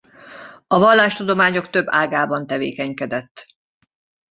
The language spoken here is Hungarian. A vallástudományok több ágában tevékenykedett.